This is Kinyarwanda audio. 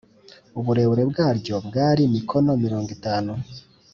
Uburebure bwaryo bwari mikono mirongo itanu